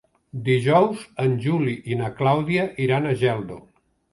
Dijous en Juli i na Clàudia iran a Geldo.